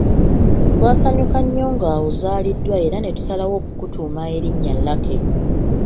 Twasanyuka nnyo nga ozaaliddwa era ne tusalawo okukutuuma erinnya Lucky.